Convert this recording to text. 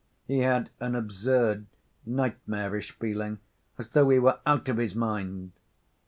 He had an absurd nightmarish feeling, as though he were out of his mind.